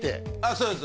そうです